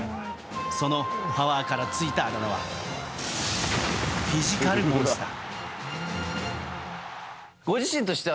そのパワーからついたあだ名はフィジカルモンスター。